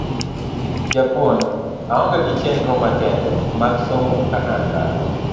Japuonj aonge gi chenro makende mag somo ka an dala.